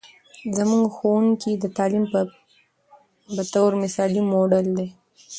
زموږ ښوونکې د تعلیم په بطور مثالي موډل دی.